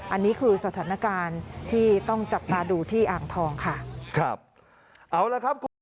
อันนี้คือสถานการณ์ที่ต้องจับตาดูที่อ่างทองค่ะครับเอาละครับคุณผู้ชม